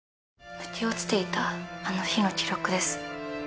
抜け落ちていたあの日の記録です。